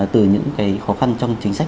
từ những cái khó khăn trong chính sách